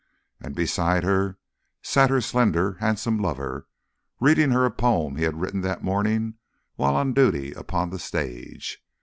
And beside her sat her slender, handsome lover reading her the poem he had written that morning while on duty upon the stage.